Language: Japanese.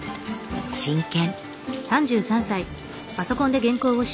真剣。